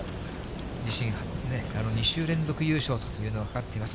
自身初の２週連続優勝というのがかかっています。